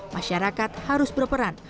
masyarakat harus berperan